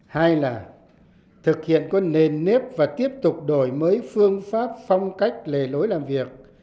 hai là thực hiện có nền nếp và tiếp tục đổi mới phương pháp phong cách lề lối làm việc